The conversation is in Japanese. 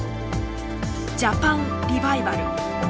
ジャパン・リバイバル。